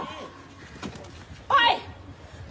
แม่ของผู้มีคน